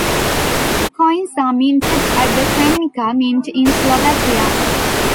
Coins are minted at the Kremnica mint in Slovakia.